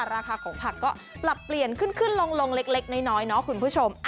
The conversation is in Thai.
ราคาของผักก็ปรับเปลี่ยนขึ้นลงเล็กน้อยเนาะคุณผู้ชม